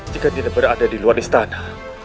jika tidak berada di luar istana